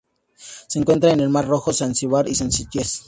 Se encuentra en el Mar Rojo, Zanzíbar y Seychelles.